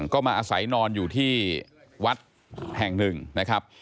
ก็มาอาศัยนอนอยู่ที่วัดแห่งหนึ่งนะครับ